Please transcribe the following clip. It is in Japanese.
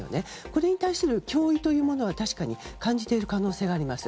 これに対する脅威というものは確かに感じている可能性はあります。